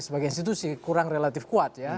sebagai institusi kurang relatif kuat ya